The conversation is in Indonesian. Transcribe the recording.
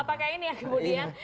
apakah ini yang kemudian